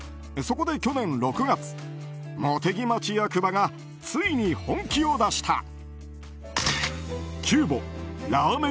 そこで去年６月茂木町役場がついに本気を出した。